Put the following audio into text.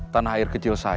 tanah air kecil saya kang